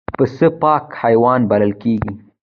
پسه پاک حیوان بلل کېږي.